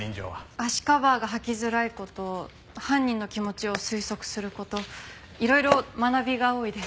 足カバーが履きづらい事犯人の気持ちを推測する事いろいろ学びが多いです。